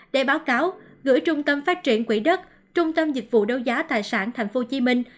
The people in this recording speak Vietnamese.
để báo cáo gửi trung tâm phát triển quỹ đất trung tâm dịch vụ đấu giá tài sản thành phố hồ chí minh